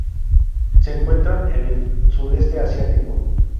Se encuentran en el Sudeste Asiático.